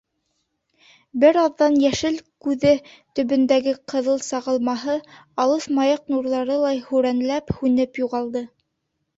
Бер аҙҙан йәшел күҙе төбөндәге ҡыҙыл сағылмаһы, алыҫ маяҡ нурҙарылай һүрәнләп, һүнеп юғалды.